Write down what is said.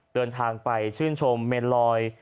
เดินทางไปชื่นชมเมนลอย